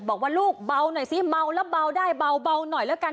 บอกว่าลูกเบาหน่อยซิเมาแล้วเบาได้เบาหน่อยแล้วกัน